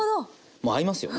もう合いますよね。